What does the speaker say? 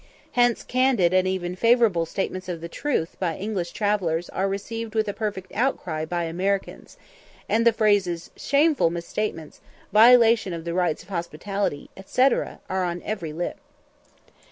Hence candid and even favourable statements of the truth by English travellers are received with a perfect outcry by the Americans; and the phrases, "shameful misstatements," "violation of the rights of hospitality," &c., are on every lip.